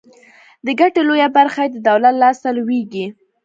د ګټې لویه برخه یې د دولت لاس ته لویږي.